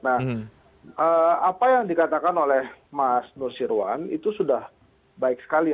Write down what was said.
nah apa yang dikatakan oleh mas nusirwan itu sudah baik sekali